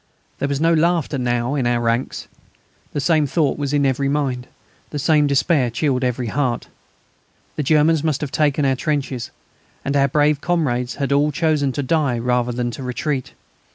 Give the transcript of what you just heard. There was no laughter now in our ranks. The same thought was in every mind, the same despair chilled every heart. The Germans must have taken our trenches, and our brave comrades had all chosen to die rather than to retreat.